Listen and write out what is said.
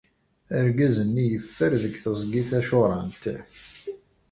Argaz-nni yeffer deg teẓgi tačuṛant.